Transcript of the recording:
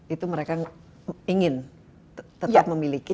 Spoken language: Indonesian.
itu mereka ingin tetap memiliki